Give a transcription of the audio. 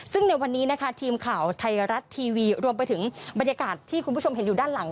ซึ่งในวันนี้นะคะทีมข่าวไทยรัฐทีวีรวมไปถึงบรรยากาศที่คุณผู้ชมเห็นอยู่ด้านหลัง